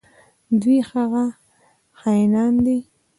دوی هغه خاینان دي.